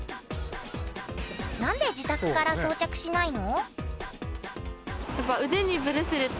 何で自宅から装着しないの？